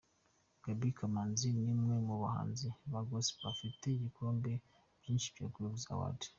Gaby Kamanzi ni umwe mu bahanzi ba Gospel bafite ibikombe byinshi bya Groove Award.